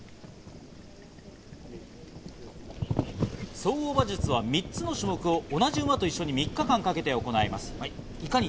総合馬術は３つの種目を同じ馬と一緒に３日間かけて行います。